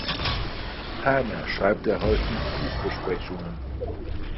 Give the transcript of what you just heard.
Ferner schreibt er häufig Buchbesprechungen.